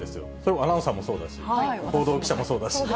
アナウンサーもそうだし、報道記者もそうだし。